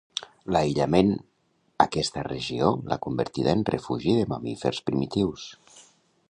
L'aïllament aquesta regió l'ha convertida en refugi de mamífers primitius